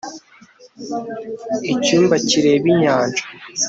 icyumba kireba inyanja